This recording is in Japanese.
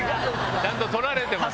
ちゃんと盗られてます。